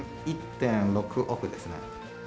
１．６億です。